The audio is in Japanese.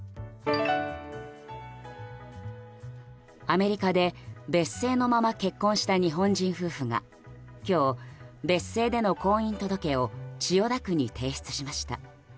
アメリカで別姓のまま結婚した日本人夫婦が今日、別姓での婚姻届を千代田区に提出しました。